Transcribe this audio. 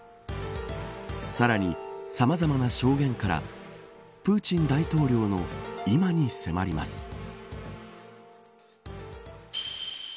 さらに、さまざまな証言からプーチン大統領の今に迫ります。